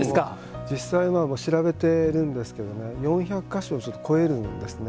実際、調べていると４００か所を超えるんですね。